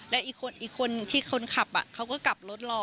และอีกคนที่คนขับเขาก็กลับรถรอ